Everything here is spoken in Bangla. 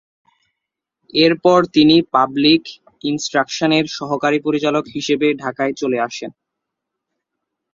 এরপরে তিনি পাবলিক ইন্সট্রাকশন-এর সহকারী পরিচালক হিসাবে ঢাকায় চলে আসেন।